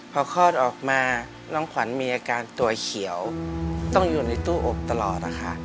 พอคลอดออกมาน้องขวัญมีอาการตัวเขียวต้องอยู่ในตู้อบตลอดนะคะ